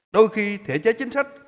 đôi khi thể chế chính sách